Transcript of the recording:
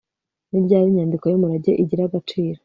ni ryari inyandiko y'umurage igira agaciro